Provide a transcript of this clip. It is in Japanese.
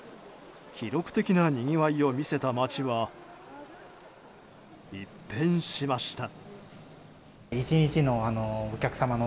記録的なにぎわいを見せた町は一変しました。